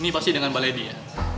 ini pasti dengan mba ledy ya